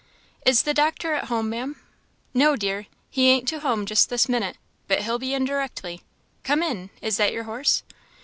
"Is the doctor at home, Ma'am?" "No, dear, he ain't to home just this minute, but he'll be in directly; Come in; is that your horse?